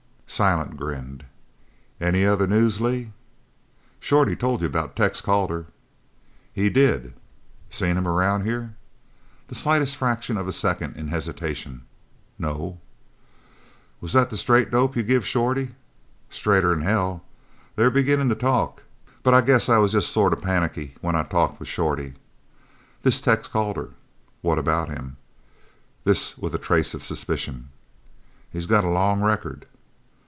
Silent grinned. "Any other news, Lee?" "Shorty told you about Tex Calder?" "He did. Seen him around here?" The slightest fraction of a second in hesitation. "No." "Was that the straight dope you give Shorty?" "Straighter'n hell. They're beginnin' to talk, but I guess I was jest sort of panicky when I talked with Shorty." "This Tex Calder " "What about him?" This with a trace of suspicion. "He's got a long record."